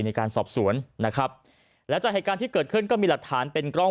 ในการสอบสวนนะครับหลังจากเหตุการณ์ที่เกิดขึ้นก็มีหลักฐานเป็นกล้อง